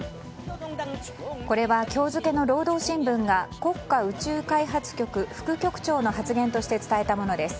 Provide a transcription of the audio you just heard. これは今日付の労働新聞が国家宇宙開発局副局長の発言として伝えたものです。